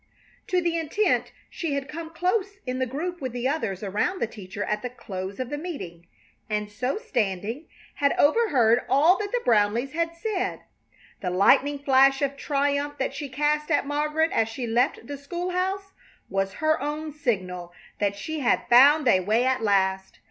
To that intent she had come close in the group with the others around the teacher at the close of meeting, and, so standing, had overheard all that the Brownleighs had said. The lightning flash of triumph that she cast at Margaret as she left the school house was her own signal that she had found a way at last.